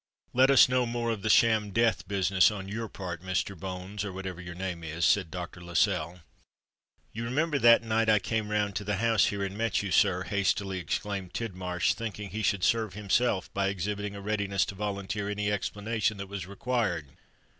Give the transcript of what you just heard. "Let us know more of the sham death business on your part, Mr. Bones—or whatever your name is," said Dr. Lascelles. "You remember that night I came round to the house here and met you, sir?" hastily exclaimed Tidmarsh, thinking that he should serve himself by exhibiting a readiness to volunteer any explanation that was required.